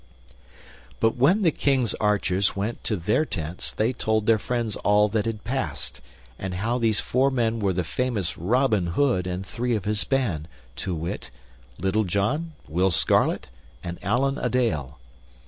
But when the King's archers went to their tents, they told their friends all that had passed, and how that these four men were the famous Robin Hood and three of his band, to wit, Little John, Will Scarlet, and Allan a Dale.